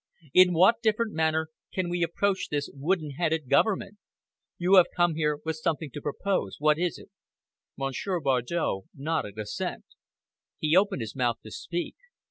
In what different manner can we approach this wooden headed government? You have come here with something to propose! What is it?" Monsieur Bardow nodded assent. He opened his mouth to speak.